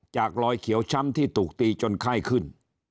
รอยเขียวช้ำที่ถูกตีจนไข้ขึ้น